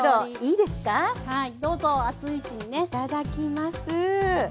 いただきます。